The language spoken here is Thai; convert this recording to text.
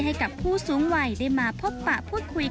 ให้กับผู้สูงวัยได้มาพบปะพูดคุย